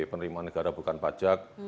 penerimaan negara bukan pajak